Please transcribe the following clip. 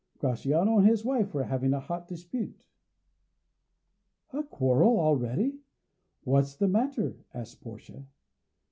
Gratiano and his wife were having a hot dispute. "A quarrel already? What's the matter?" asked Portia.